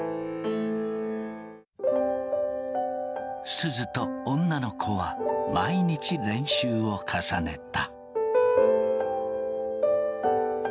すずと女の子は毎日練習を重ねた。